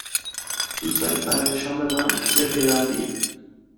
دوست دارید برای شام به من بپیوندید؟